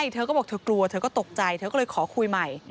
เธอก็บอกเธอกลัวเธอก็ตกใจเธอก็เลยขอคุยใหม่